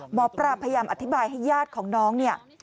หมอปลาพยายามอธิบายให้ญาติของน้องเนี่ย